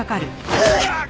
うわっ！